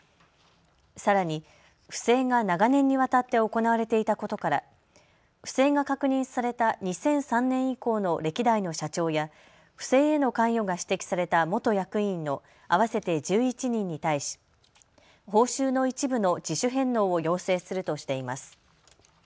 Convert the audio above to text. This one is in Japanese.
さらに不正が長年にわたって行われていたことから不正が確認された２００３年以降の歴代の社長や不正への関与が指摘された元役員の合わせて１１人に対し、報酬の一部の自主返納を要請するとしています。